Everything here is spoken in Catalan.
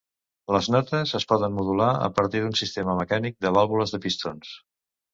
Les notes es poden modular a partir d'un sistema mecànic de vàlvules de pistons.